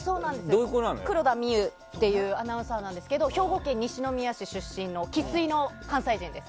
黒田みゆっていうアナウンサーなんですけど兵庫県西宮市出身の生粋の関西人です。